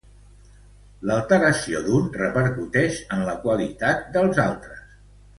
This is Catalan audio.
L'alteració d'un repercutix en la qualitat dels altres.